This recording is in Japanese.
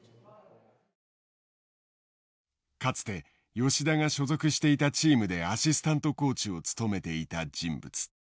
かつて吉田が所属していたチームでアシスタントコーチを務めていた人物。